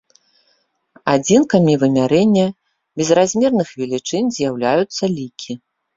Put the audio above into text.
Адзінкамі вымярэння безразмерных велічынь з'яўляюцца лікі.